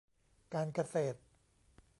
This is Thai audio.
การเกษตร